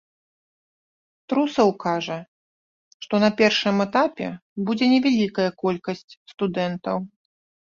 Трусаў кажа, што на першым этапе будзе невялікая колькасць студэнтаў.